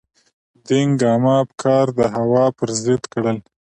دینګ عامه افکار د هوا پر ضد کړل.